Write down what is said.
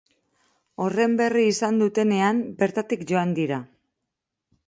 Horren berri izan dutenean, bertatik joan dira.